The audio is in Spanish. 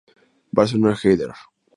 Barcelona: Herder.